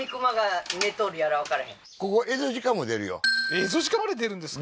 エゾジカまで出るんですか？